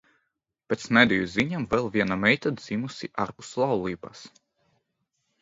Pēc mediju ziņām vēl viena meita dzimusi ārpus laulības.